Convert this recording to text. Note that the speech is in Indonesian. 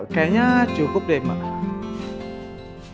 sayangnya cukup deh bapak